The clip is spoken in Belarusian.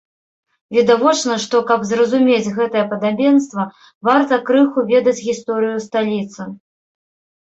Відавочна, што, каб зразумець гэтае падабенства, варта крыху ведаць гісторыю сталіцы.